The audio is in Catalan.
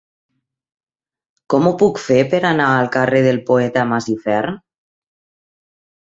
Com ho puc fer per anar al carrer del Poeta Masifern?